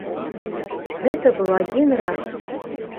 Гэта быў адзін раз!